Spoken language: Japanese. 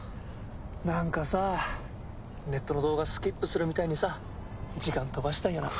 何かさネットの動画スキップするみたいにさ時間飛ばしたいよな。